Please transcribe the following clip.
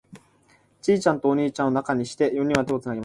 ちいちゃんとお兄ちゃんを中にして、四人は手をつなぎました。